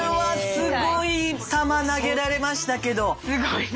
すごいね。